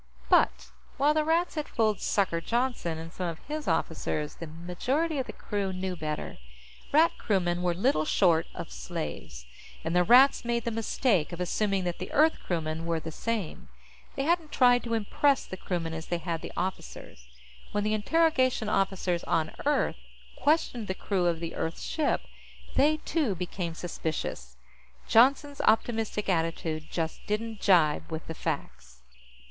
But, while the Rats had fooled "Sucker" Johnston and some of his officers, the majority of the crew knew better. Rat crewmen were little short of slaves, and the Rats made the mistake of assuming that the Earth crewmen were the same. They hadn't tried to impress the crewmen as they had the officers. When the interrogation officers on Earth questioned the crew of the Earth ship, they, too, became suspicious. Johnston's optimistic attitude just didn't jibe with the facts.